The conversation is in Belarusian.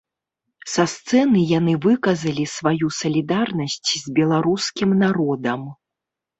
Са сцэны яны выказалі сваю салідарнасць з беларускім народам.